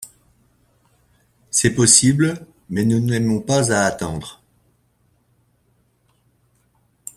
C’est possible, mais nous n’aimons pas à attendre.